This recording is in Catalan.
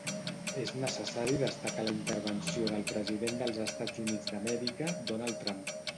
És necessari destacar la intervenció del president dels Estats Units d'Amèrica, Donald Trump.